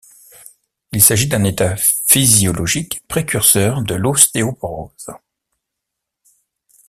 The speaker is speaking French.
Il s'agit d'un état physiologique, précurseur de l'ostéoporose.